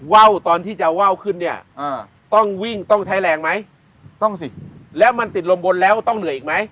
ว่าวตอนที่จะว่าวขึ้นเนี่ยต้องวิ่งต้องใช้แรงไหมต้องสิแล้วมันติดลมบนแล้วต้องเหนื่อยอีกไหม